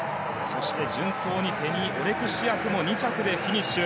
そして順当にペニー・オレクシアクも２着でフィニッシュ。